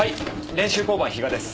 練習交番比嘉です。